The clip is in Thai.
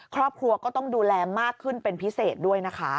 ครอบครัวก็ต้องดูแลมากขึ้นเป็นพิเศษด้วยนะคะ